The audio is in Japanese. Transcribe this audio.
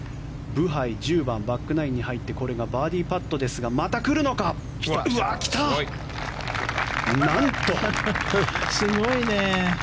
ブハイ１０番バックナインに入ってこれがバーディーパットですがすごいね。